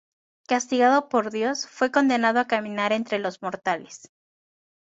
Castigado por Dios, fue condenado a caminar entre los mortales.